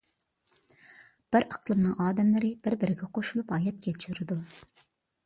بىر ئىقلىمنىڭ ئادەملىرى بىر - بىرىگە قوشۇلۇپ ھايات كەچۈرىدۇ.